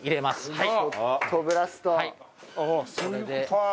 はい。